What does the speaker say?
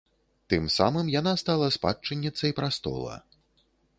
Тым самым яна стала спадчынніцай прастола.